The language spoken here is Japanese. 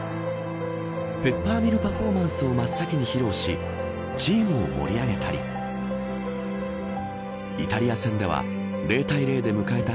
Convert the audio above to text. ペッパーミルパフォーマンスを真っ先に披露しチームを盛り上げたりイタリア戦では０対０で迎えた